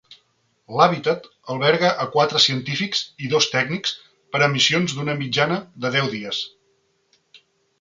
L'hàbitat alberga a quatre científics i dos tècnics per a missions d'una mitjana de deu dies.